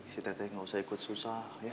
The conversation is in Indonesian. si teteh gak usah ikut susah ya